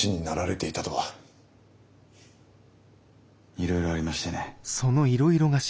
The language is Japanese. いろいろありましてね。